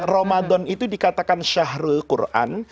ramadan itu dikatakan syahrul quran